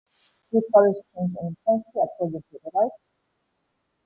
These colours change in intensity according to the light.